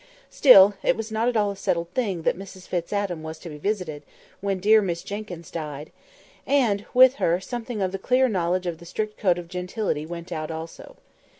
Still, it was not at all a settled thing that Mrs Fitz Adam was to be visited, when dear Miss Jenkyns died; and, with her, something of the clear knowledge of the strict code of gentility went out too.